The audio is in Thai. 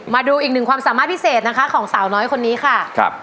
มาดูอีกหนึ่งความสามารถพิเศษนะคะของสาวน้อยคนนี้ค่ะครับ